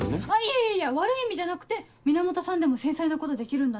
いやいや悪い意味じゃなくて源さんでも繊細なことできるんだなって。